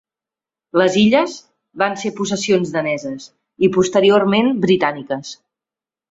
Les illes van ser possessions daneses i, posteriorment, britàniques.